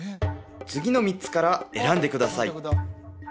次の３つから選んでください